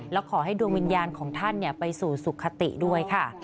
แล้วขอให้ดวงวิญญาณของท่านไปสู่สุขติด้วยค่ะ